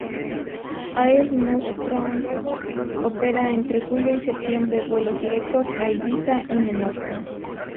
Air Nostrum opera entre julio y septiembre vuelos directos a Ibiza y Menorca.